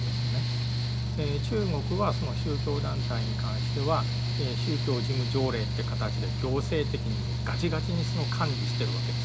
中国はその宗教団体に関しては宗教事務条例という形で行政的にもうガチガチにその管理してるわけですよ。